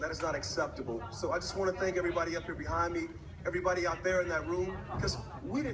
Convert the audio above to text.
เหลือที่ทุกคนสงสัยกับประเทศชีวิตแบร์รี่เจนกิ้น